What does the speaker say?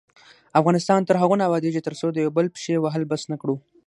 افغانستان تر هغو نه ابادیږي، ترڅو د یو بل پښې وهل بس نکړو.